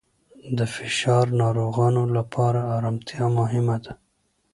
د فشار ناروغانو لپاره آرامتیا مهمه ده.